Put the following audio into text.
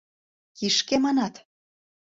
Кишке, манат?